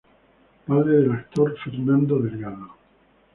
Padre del actor Fernando Delgado.